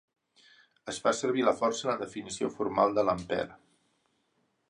Es fa servir la força en la definició formal de l'ampere.